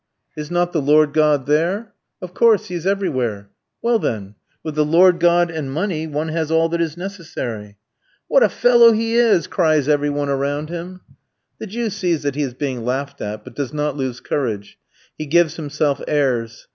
"Is not the Lord God there?" "Of course, he is everywhere." "Well, then! With the Lord God, and money, one has all that is necessary." "What a fellow he is!" cries every one around him. The Jew sees that he is being laughed at, but does not lose courage. He gives himself airs.